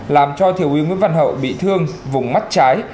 làm cho thiếu úy nguyễn văn hậu bị thương vùng mắt trái